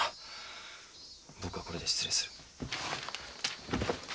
僕はこれで失礼する。